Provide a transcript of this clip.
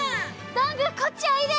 どんぐーこっちおいで！